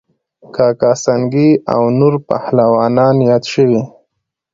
کاکه سنگی او نور پهلوانان یاد شوي